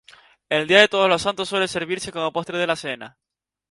El día de Todos Los Santos suele servirse como postre de la cena.